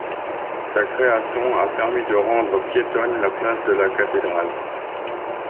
Sa création a permis de rendre piétonne la place de la Cathédrale.